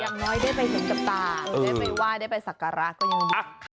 อย่างน้อยได้ไปเห็นกับตาได้ไปไหว้ได้ไปสักการะก็ยังดี